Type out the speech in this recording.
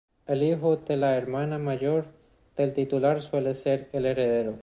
El hijo de la hermana mayor del titular suele ser el heredero.